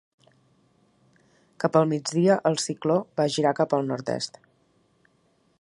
Cap al migdia, el cicló va girar cap al nord-est.